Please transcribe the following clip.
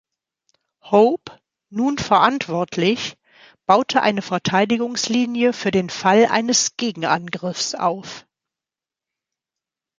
Hope, nun verantwortlich, baute eine Verteidigungslinie, für den Fall eines Gegenangriffs, auf.